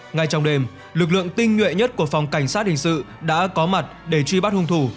ngay trong đêm lực lượng tinh nhuệ nhất của phòng cảnh sát hình sự đã có mặt để truy bắt hung thủ